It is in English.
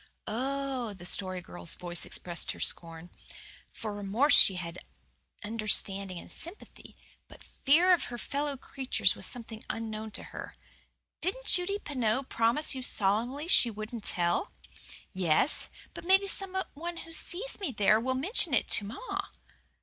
"Oh!" The Story Girl's voice expressed her scorn. For remorse she had understanding and sympathy; but fear of her fellow creatures was something unknown to her. "Didn't Judy Pineau promise you solemnly she wouldn't tell?" "Yes; but maybe some one who sees me there will mention it to ma."